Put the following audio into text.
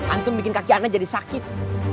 antum bikin kaki anda jadi sakit